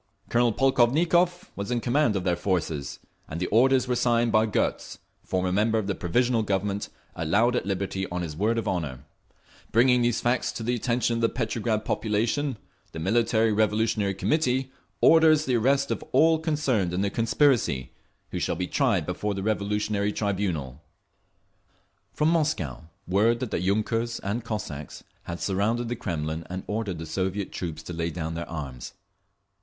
Colonel Polkovnikov was in command of their forces, and the orders were signed by Gotz, former member of the Provisional Government, allowed at liberty on his word of honour…. Bringing these facts to the attention of the Petrograd population, the Military Revolutionary Committee orders the arrest of all concerned in the conspiracy, who shall be tried before the Revolutionary Tribunal…. From Moscow, word that the yunkers and Cossacks had surrounded the Kremlin and ordered the Soviet troops to lay down their arms.